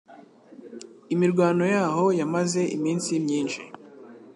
Imirwano yaho yamaze iminsi myinshi